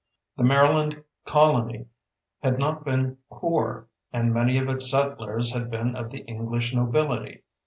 The Maryland colony had not been poor, and many of its settlers had been of the English nobility.